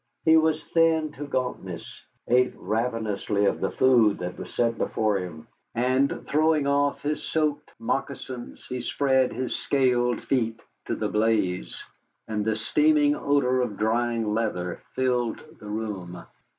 He was thin to gauntness, ate ravenously of the food that was set before him, and throwing off his soaked moccasins, he spread his scalded feet to the blaze, and the steaming odor of drying leather filled the room.